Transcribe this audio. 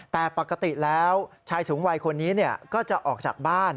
แต่ปกติแล้วชายสูงวัยคนนี้ก็จะออกจากบ้าน